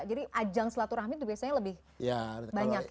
jadi ajang selatu rahim itu biasanya lebih banyak ya